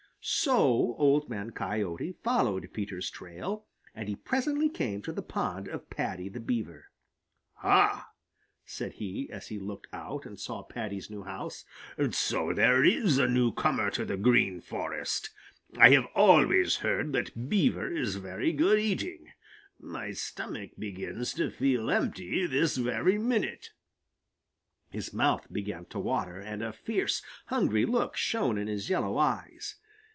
So Old Man Coyote followed Peter's trail, and he presently came to the pond of Paddy the Beaver. "Ha!" said he, as he looked out and saw Paddy's new house. "So there is a newcomer to the Green Forest! I have always heard that Beaver is very good eating. My stomach begins to feel empty this very minute." His mouth began to water, and a fierce, hungry look shone in his yellow eyes.